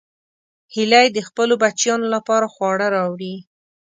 هیلۍ د خپلو بچیانو لپاره خواړه راوړي